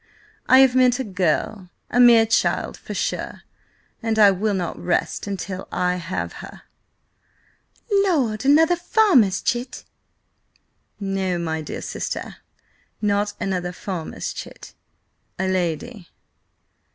I have met a girl–a mere child, for sure–and I will not rest until I have her." "Lord! Another farmer's chit?" "No, my dear sister, not another farmer's chit. A lady."